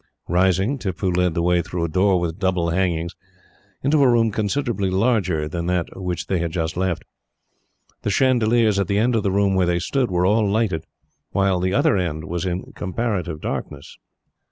Rising, Tippoo led the way through a door with double hangings, into a room considerably larger than that which they had just left. The chandeliers, at the end of the room where they stood, were all lighted, while the other end was in comparative darkness.